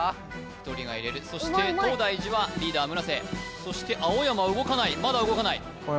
１人が入れるそして東大寺はリーダー村瀬そして青山動かないまだ動かない青山